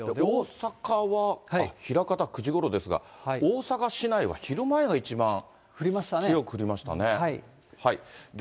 大阪は枚方、９時ごろですが、大阪市内は昼ごろが一番強く降りましたね。